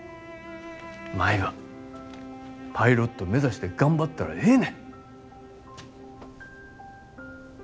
舞はパイロット目指して頑張ったらええね。